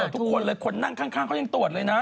ทุกคนเลยคนนั่งข้างเขายังตรวจเลยนะ